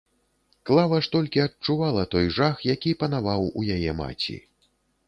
Клава ж толькі адчувала той жах, які панаваў у яе маці.